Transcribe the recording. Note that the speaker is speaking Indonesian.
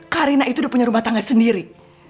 karina itu udah punya rumah tangga sendiri